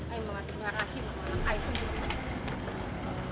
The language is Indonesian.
ayah mau ngasih berakhir sama anak ayah sendiri